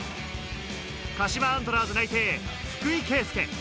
鹿島アントラーズ内定、津久井佳祐。